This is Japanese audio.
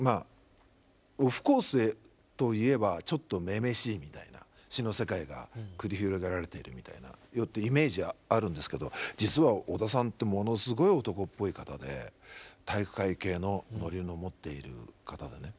オフコースといえばちょっと女々しいみたいな詩の世界が繰り広げられているみたいなイメージはあるんですけど実は小田さんってものすごい男っぽい方で体育会系のノリを持っている方でね